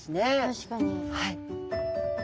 確かに。